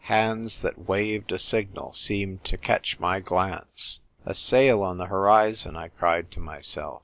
Hands that waved a signal seemed to catch my glance. "A sail on the horizon!" I cried to myself.